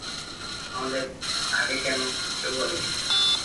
আমাকে আগে কেন কেউ বলেনি?